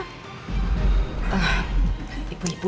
ibu ibu yaudahlah kita mendinggalin dia ya